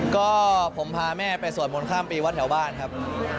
ก็ผมพาแม่ไปสวดมนต์ข้ามปีวัดแถวบ้านครับ